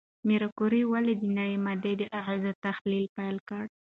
ماري کوري ولې د نوې ماده د اغېزو تحلیل پیل کړ؟